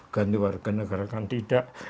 ganti warga negara kan tidak